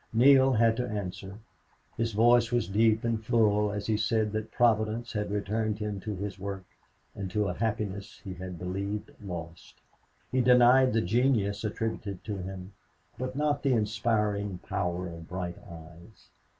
Neale had to answer. His voice was deep and full as he said that Providence had returned him to his work and to a happiness he had believed lost. He denied the genius attributed to him, but not the inspiring power of bright eyes.